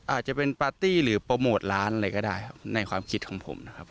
อาจจะเป็นปาร์ตี้หรือโปรโมทร้านอะไรก็ได้ครับในความคิดของผมนะครับ